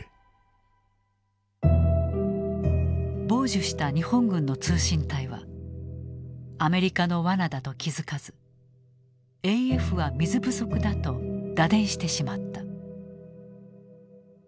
傍受した日本軍の通信隊はアメリカのわなだと気付かずＡＦは水不足だと打電してしまった。